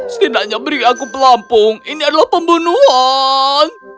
setidaknya beri aku pelampung ini adalah pembunuhan